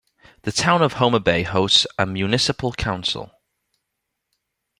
The town of Homa Bay hosts a Municipal Council.